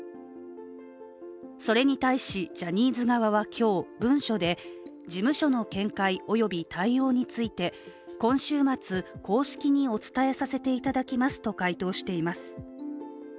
それに対しジャニーズ側は今日、文書で事務所の見解および対応について今週末、公式にお伝えさせていただきますと回答しています。